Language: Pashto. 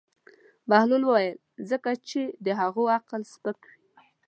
بهلول وویل: ځکه چې د هغوی عقل سپک وي.